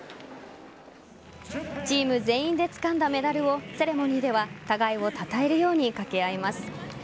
チーム全員でつかんだメダルをセレモニーでは互いをたたえるように掛け合います。